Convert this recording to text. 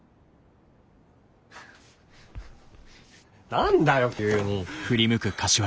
何だよ急に。